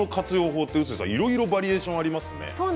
法はいろいろバリエーションがありますね。